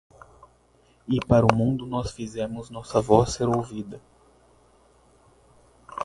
E para o mundo nós fizemos nossa voz ser ouvida